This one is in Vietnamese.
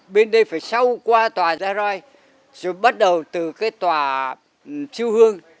bên đây phải sau qua tòa gia roi rồi bắt đầu từ cái tòa siêu hương